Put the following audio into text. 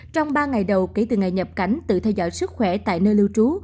trong ba ngày đầu kể từ ngày nhập cảnh tự theo dõi sức khỏe tại nơi lưu trú